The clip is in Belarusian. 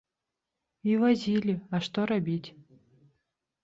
І вазілі, а што рабіць?